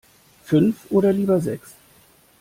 Fünf oder lieber sechs?